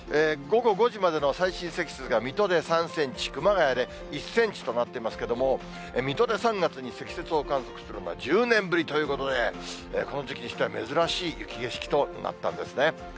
午後５時までの最新積雪が水戸で３センチ、熊谷で１センチとなっていますけれども、水戸で３月に積雪を観測するのは１０年ぶりということで、この時期としては珍しい雪景色となったんですね。